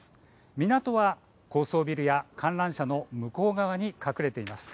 港は高層ビルや観覧車の向こう側に隠れています。